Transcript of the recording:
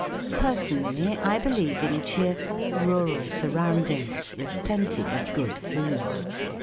Personally* I believe in cheerful rural sur¬ roundings, with plenty of good food.